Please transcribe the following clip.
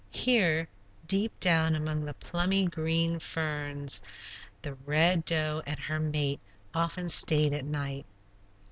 Here, deep down among the plumy, green ferns the Red Doe and her mate often stayed at night.